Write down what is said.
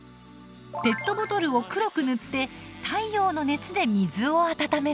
ペットボトルを黒く塗って太陽の熱で水を温めます。